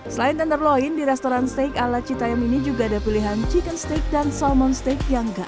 selain tenderloin di restoran steak ala citayam ini juga ada pilihan chicken steak dan salmon steak yang gak